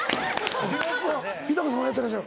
日さんもやってらっしゃる？